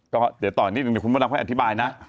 ก็เดี๋ยวต่อนิดนึงเดี๋ยวคุณพระดำค่อยอธิบายนะ